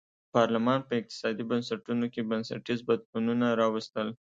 پارلمان په اقتصادي بنسټونو کې بنسټیز بدلونونه راوستل.